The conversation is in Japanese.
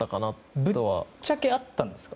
ぶっちゃけあったんですか？